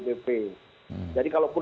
cpp jadi kalau pun